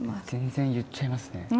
全然言っちゃいますね